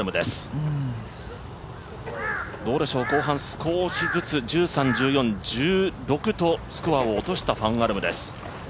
後半、少しずつ、１３、１４、１６と少しスコアを落としたファン・アルムです。